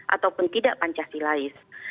ataupun tidak pancah silais